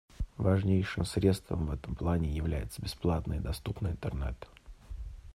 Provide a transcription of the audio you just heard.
Важнейшим средством в этом плане является бесплатный и доступный Интернет.